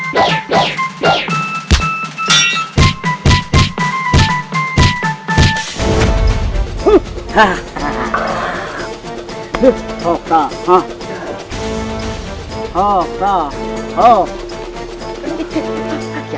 buku buku yang malangnya harus hidup